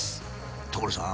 所さん！